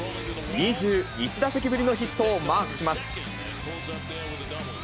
２１打席ぶりのヒットをマークします。